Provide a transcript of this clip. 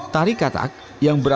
tari katak yang berguna